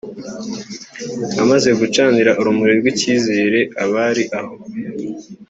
Amaze gucanira urumuri rw’icyizere abari aho